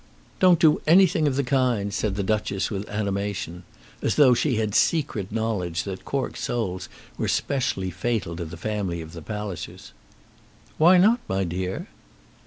"Don't do anything of the kind," said the Duchess with animation; as though she had secret knowledge that cork soles were specially fatal to the family of the Pallisers. "Why not, my dear?"